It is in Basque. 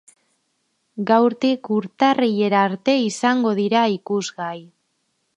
Gaurtik urtarrilera arte izango dira ikusgai.